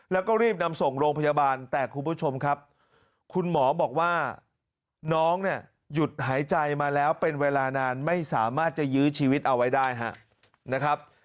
แล้วก็รีบนำส่งโรงพยาบาลแต่คุณผู้ชมครับคุณหมอบอกว่าน้องเนี่ยหยุดหายใจมาแล้วเป็นเวลานานไม่สามารถจะยื้อชีวิตเอาไว้ได้นะครับ